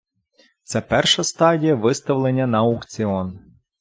Це перша стадія виставлення на аукціон.